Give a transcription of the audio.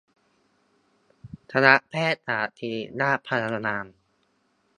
คณะแพทยศาสตร์ศิริราชพยาบาล